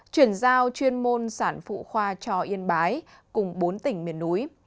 chuyển giao chuyên môn sản phụ khoa cho yên bái cùng bốn tỉnh miền núi